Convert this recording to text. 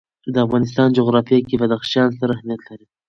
د افغانستان جغرافیه کې بدخشان ستر اهمیت لري.